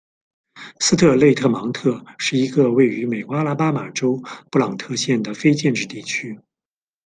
斯特雷特芒特是一个位于美国阿拉巴马州布朗特县的非建制地区。